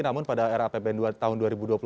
namun pada era apbn tahun dua ribu dua puluh dua